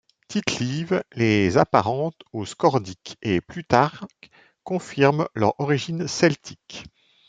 Tite-Live les apparente aux Scordiques, et Plutarque confirme leur origine celtique.